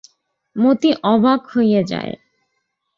মতি অবাক হইয়া যায়।